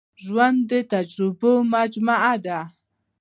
ژوند د تجربو مجموعه ده.